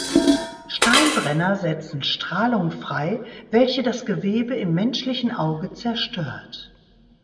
Steinbrenner setzen Strahlung frei, welche das Gewebe im menschlichen Auge zerstört.